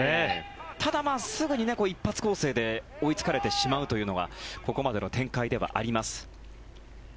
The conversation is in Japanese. ただ、すぐに一発攻勢で追いつかれてしまうというのがここまでの展開ではあります。